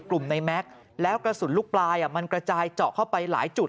กลุ่มในแม็กซ์แล้วกระสุนลูกปลายมันกระจายเจาะเข้าไปหลายจุด